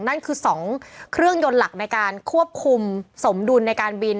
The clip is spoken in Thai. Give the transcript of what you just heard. นั่นคือ๒เครื่องยนต์หลักในการควบคุมสมดุลในการบิน